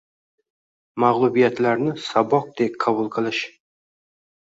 Mag‘lubiyatlarni saboqdek qabul qilish.